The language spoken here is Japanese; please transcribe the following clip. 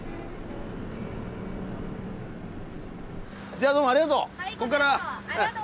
ではどうもありがとう。